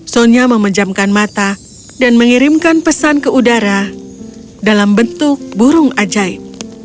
sonia memejamkan mata dan mengirimkan pesan ke udara dalam bentuk burung ajaib